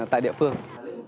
tại địa phương